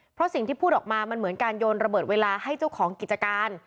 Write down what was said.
เพราะสิ่งที่พูดออกมามันเหมือนการโยนระเบิดเวลาให้เจ้าของกิจการ